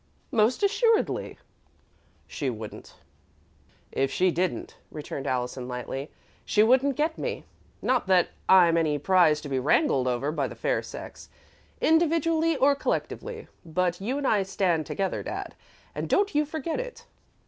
"Most assuredly." "She wouldn't." "If she didn't," returned Allison, lightly, "she wouldn't get me. Not that I'm any prize to be wrangled over by the fair sex, individually or collectively, but you and I stand together, Dad, and don't you forget it."